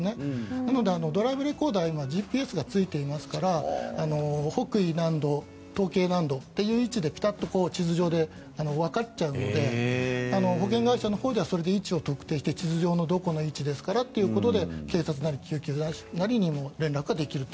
なので、ドライブレコーダー今、ＧＰＳがついていますので北緯何度、東経何度というのをピタッと地図上でわかっちゃうので保険会社のほうで位置を特定して地図上でどこの位置ですからということで警察なり救急車なりに連絡をできると。